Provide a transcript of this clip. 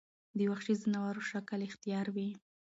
د وحشي ځناور شکل اختيار وي